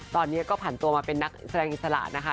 ตอนนี้ก็ผ่านตัวมาเป็นนักแสดงอิสระนะคะ